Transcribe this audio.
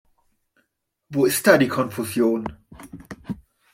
Wo ist da die Konfusion?